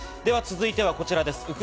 続いてはこちらです。